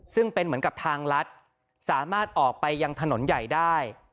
ซึ่งเป็นเหมือนกับทางลัดสามารถออกไปยังถนนใหญ่ได้